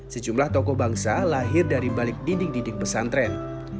sejumlah tokoh bangsa lahir dari balik dinding dinding pesantren